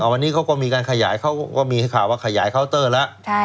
วันนี้เขาก็มีการขยายเขาก็มีข่าวว่าขยายเคาน์เตอร์แล้ว